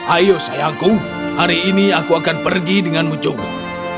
ayo sayangku hari ini aku akan pergi denganmu coba